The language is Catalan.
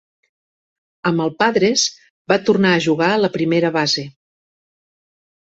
Amb el Padres, va tornar a jugar a la primera base.